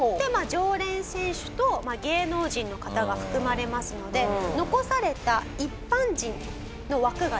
常連選手と芸能人の方が含まれますので残された一般人の枠がですね